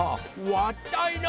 わったいな！